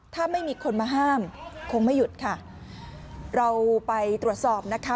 ถ้าไม่มีคนมาห้ามคงไม่หยุดค่ะเราไปตรวจสอบนะคะ